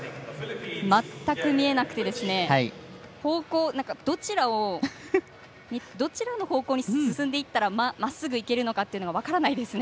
全く見えなくてどちらの方向に進んでいったらまっすぐいけるのか分からないですね。